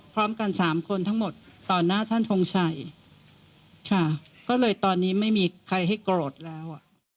พร้อมกันสามคนทั้งหมดต่อหน้าท่านทงชัยค่ะก็เลยตอนนี้ไม่มีใครให้โกรธแล้วอ่ะ